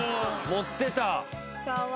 持ってた。